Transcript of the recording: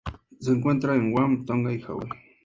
Se encuentra en Guam, Tonga y Hawaii.